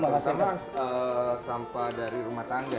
terus sama sampah dari rumah tangga